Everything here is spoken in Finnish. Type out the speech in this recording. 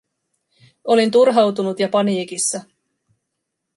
Olin turhautunut ja paniikissa.